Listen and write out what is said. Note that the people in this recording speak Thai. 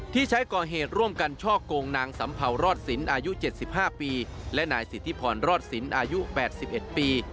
ที่ใช้ก่อเหตุร่วมกันช่อกงนางสำเภารอดสินอายุ๗๕ปีและนายสิทธิพรรอดสินอายุ๘๑ปี